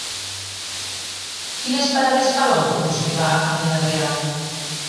Quines parades fa l'autobús que va a Vila-real?